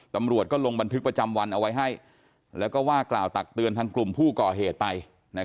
ตำรวจก็ลงบันทึกประจำวันเอาไว้ให้แล้วก็ว่ากล่าวตักเตือนทางกลุ่มผู้ก่อเหตุไป